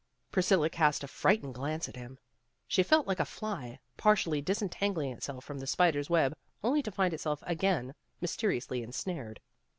Priscilla cast a frightened glance at him. She felt like a fly, partially dis entangling itself from the spider's web, only to find itself again mysteriously ensnared.